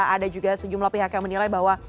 ada juga sejumlah pihak yang menilai bahwa